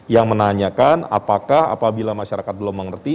yang menanyakan apakah apabila masyarakat belum mengerti